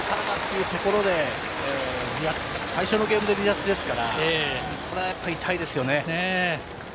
これからだというところで、最初のゲームで離脱ですから、やっぱり痛いですよね。